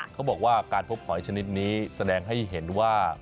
เขาบอกว่าการพบหอยชนิดนี้แสดงให้เห็นว่า